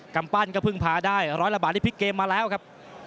กำปั้นก็เพิ่งพาได้ร้อยละบาทที่พลิกเกมมาแล้วครับ